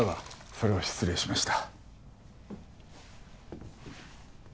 それは失礼しました